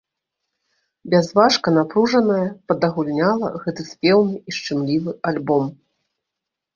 Бязважка-напружаная, падагульняла гэты спеўны і шчымлівы альбом.